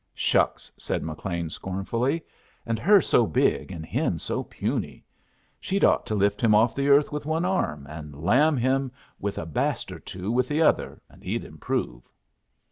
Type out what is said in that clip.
"Shucks!" said McLean, scornfully. "And her so big and him so puny! She'd ought to lift him off the earth with one arm and lam him with a baste or two with the other, and he'd improve."